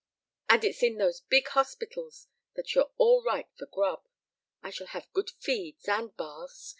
And it's in those big hospitals that you're all right for grub! I shall have good feeds, and baths.